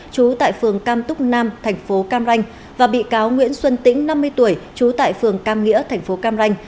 trú tại phường cam túc nam thành phố cam ranh và bị cáo nguyễn xuân tĩnh năm mươi tuổi trú tại phường cam nghĩa thành phố cam ranh